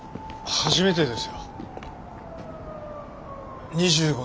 初めてです。